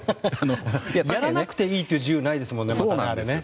やらなくていいっていう自由がないですもんね。